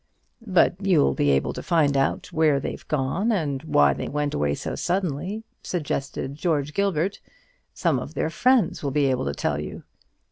"But you'll be able to find out where they've gone, and why they went away so suddenly," suggested George Gilbert; "some of their friends will be able to tell you."